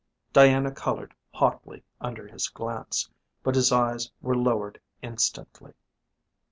Diana coloured hotly under his glance, but his eyes were lowered instantly.